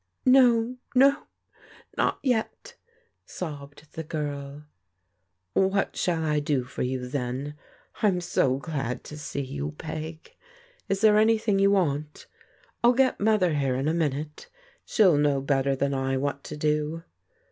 " No, no ! not yet !" sobbed the girL " What shall I do for you then? I'm so glad to sec you. Peg. Is there anything you want? I'll get Mother here in a minute. She'll know better than I what to do."